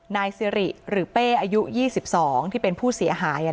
นายสิริหรือเป้อายุ๒๒ที่เป็นผู้เสียหาย